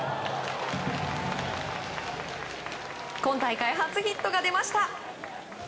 今大会初ヒットが出ました。